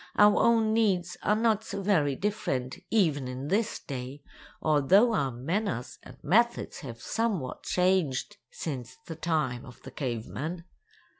Our own needs are not so very different, even in this day, although our manners and methods have somewhat changed since the time of the caveman.